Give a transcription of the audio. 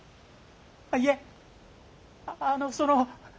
いえあのその。